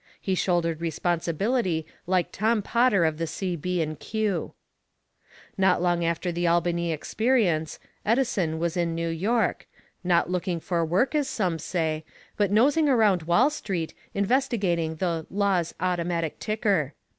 He shouldered responsibility like Tom Potter of the C., B. & Q. Not long after the Albany experience, Edison was in New York, not looking for work as some say, but nosing around Wall Street investigating the "Laws Automatic Ticker."